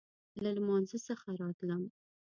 له لمانځه څخه راتلم.